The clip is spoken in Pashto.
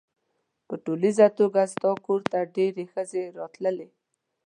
په ټولیزه توګه ستا کور ته ډېرې ښځې راتلې.